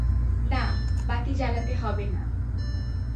না, বাতি জ্বালাতে হবে না।